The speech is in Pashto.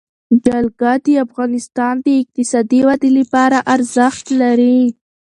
جلګه د افغانستان د اقتصادي ودې لپاره ارزښت لري.